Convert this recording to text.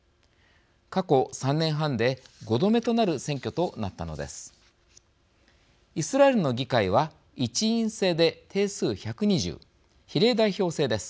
過去３年半で５度目となる選挙となったのです。